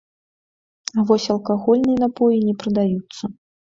А вось алкагольныя напоі не прадаюцца.